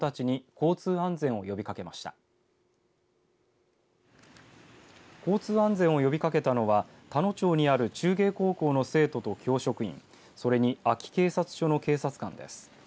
交通安全を呼びかけたのは田野町にある中芸高校の生徒と教職員それに安芸警察署の警察官です。